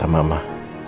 jangan jangan paham